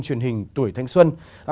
truyền hình tuổi thanh xuân